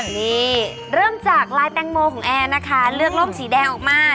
นี่เริ่มจากลายแตงโมของแอร์นะคะเลือกร่มสีแดงออกมา